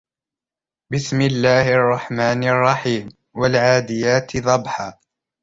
بِسْمِ اللَّهِ الرَّحْمَنِ الرَّحِيمِ وَالْعَادِيَاتِ ضَبْحًا